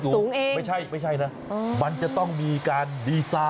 ไม่ใช่ไม่ใช่นะมันจะต้องมีการดีไซน์